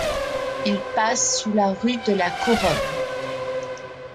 Il passe sous la rue de la Couronne.